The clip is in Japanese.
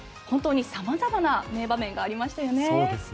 本当に様々な名場面がありましたよね。